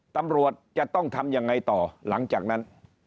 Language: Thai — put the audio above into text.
ตำรวจจะต้องทำยังไงต่อหลังจากนั้น